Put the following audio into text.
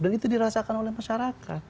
dan itu dirasakan oleh masyarakat